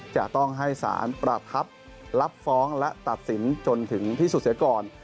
จะต้องให้สารประทับรับฟ้องและตัดสินจนถึงที่สุดเสียก่อน